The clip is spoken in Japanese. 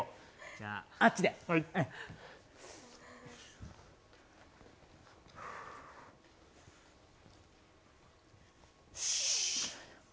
じゃあ、あっちで。よしっ！